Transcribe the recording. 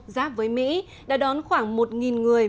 giáp với mỹ đã đón khoảng một người